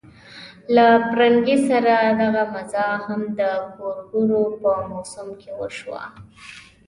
له پرنګي سره دغه غزا هم د ګورګورو په موسم کې وشوه.